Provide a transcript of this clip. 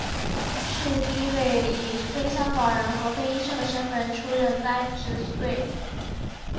是第一位以非香港人和非医生的身份出任该职位。